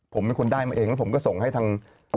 ผมเป็นคนได้มาเองแล้วผมก็ส่งให้ทาง